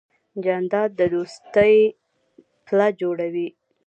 جانداد د دوستۍ پله جوړوي.